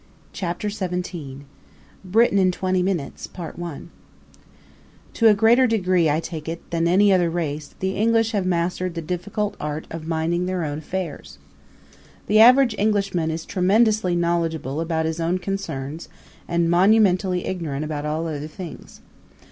Chapter XVII Britain in Twenty Minutes To a greater degree, I take it, than any other race the English have mastered the difficult art of minding their own affairs. The average Englishman is tremendously knowledgable about his own concerns and monumentally ignorant about all other things.